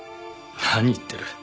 何言ってる。